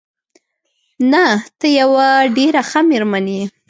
نه، ته یوه ډېره ښه مېرمن یې.